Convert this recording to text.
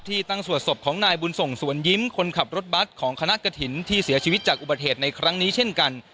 ตั้งสวดศพของนายบุญส่งสวนยิ้มคนขับรถบัตรของคณะกระถิ่นที่เสียชีวิตจากอุบัติเหตุในครั้งนี้เช่นกัน